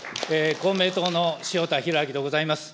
公明党の塩田博昭でございます。